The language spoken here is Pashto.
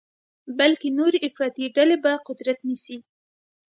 بلکې نورې افراطي ډلې به قدرت نیسي.